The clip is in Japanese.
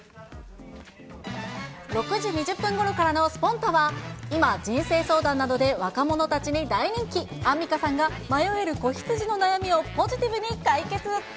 ６時２０分ごろからのスポンタっ！は今、人生相談などで若者たちに大人気、アンミカさんが迷える子羊の悩みをポジティブに解決。